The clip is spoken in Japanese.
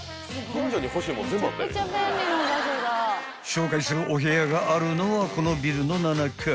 ［紹介するお部屋があるのはこのビルの７階］